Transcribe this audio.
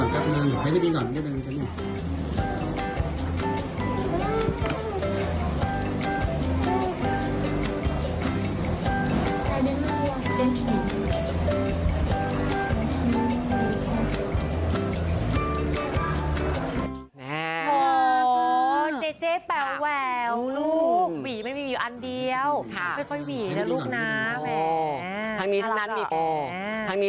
อ๋อเจ๊แปวลูกหวีไม่มีอยู่อันเดียวไม่ค่อยหวีนะลูกนะแม่